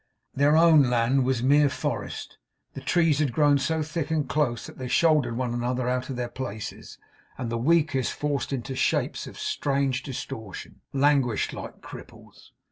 Their own land was mere forest. The trees had grown so think and close that they shouldered one another out of their places, and the weakest, forced into shapes of strange distortion, languished like cripples.